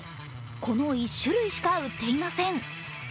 この１種類しか売っていません。